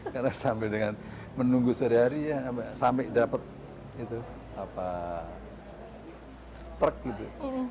karena sambil dengan menunggu sehari hari ya sampai dapat truk gitu